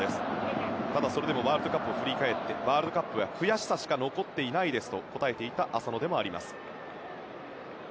ただ、それでもワールドカップを振り返ってワールドカップは悔しさしか残っていないですと答えていた浅野でもあります。